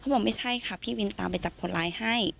บอกไม่ใช่ค่ะพี่วินตามไปจับคนร้ายให้